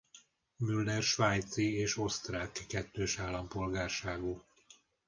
Müller svájci és osztrák kettős állampolgárságú.